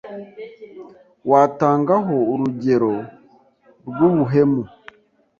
watangaho urugero rw’ubuhemu,